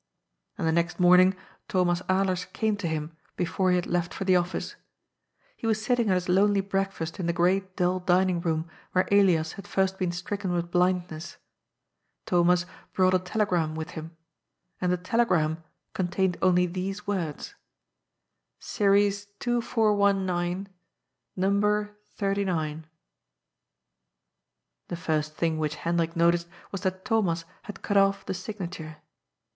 And the next morning Thomas Alers came to him, be* fore he had left for the office. He was sitting at his lonely breakfast in the great dull dining room where Elias had first been stricken with blindness. Thomas brought a tele gram with him. And the telegram contained only these words: "Series 2,419. No. 39." The first thing which Hendrik noticed was that Thomas had cut off the signature.